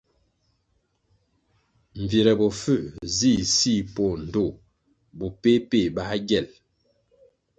Mbvire bofuē nzih sih poh ndtoh bo peh-peh bā gyel.